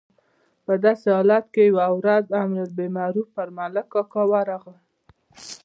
په همداسې حالت کې یوه ورځ امر بالمعروف پر ملک کاکا ورغلل.